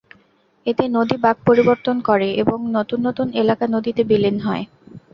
এতে নদী বাঁক পরিবর্তন করে এবং নতুন নতুন এলাকা নদীতে বিলীন হয়।